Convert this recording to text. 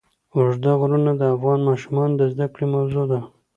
اوږده غرونه د افغان ماشومانو د زده کړې موضوع ده.